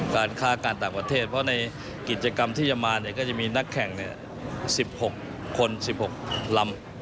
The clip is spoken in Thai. การฆ่าการต่างประเทศเพราะในกิจกรรมที่จะมาเนี่ยก็จะมีนักแข่ง๑๖คน๑๖ลำ